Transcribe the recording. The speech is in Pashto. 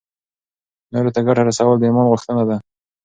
نورو ته ګټه رسول د ایمان غوښتنه ده.